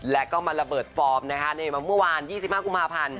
แล้วก็มาระเบิดฟอร์มในวังว่าง๒๕กพ